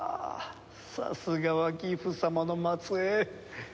さすがはギフ様の末裔。